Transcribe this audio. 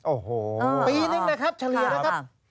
โอ้โหปีนึงนะครับเฉลี่ยนะครับ